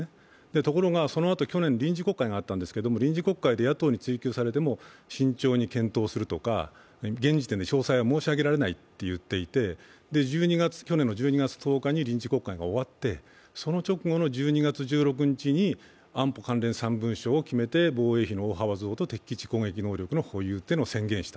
ところがそのあと去年、臨時国会があって、そこで野党に追及されて慎重に検討するとか、現時点で詳細は申し上げられないと言っていて去年の１２月１０日に臨時国会が終わってその直後の１２月１６日に安保関連３文書を決めて、防衛費の大幅増と敵基地のことを決めました。